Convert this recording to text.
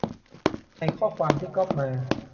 ในข้อความที่ก๊อปมา